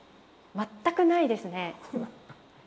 全くないですね。